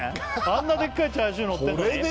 あんなでっかいチャーシューのってんのに？